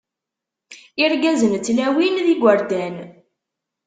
Irgazen d tlawin d yigerdan.